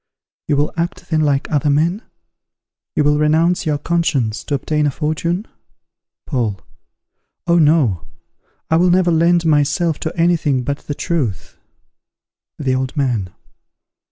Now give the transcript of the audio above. _ You will act then like other men? you will renounce your conscience to obtain a fortune? Paul. Oh no! I will never lend myself to any thing but the truth. _The Old Man.